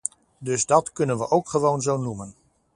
Dus dat kunnen we ook gewoon zo noemen.